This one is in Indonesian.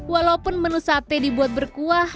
walaupun menu sate dibuat berkuah